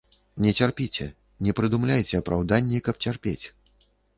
Не цярпіце, не прыдумляйце апраўданні, каб цярпець.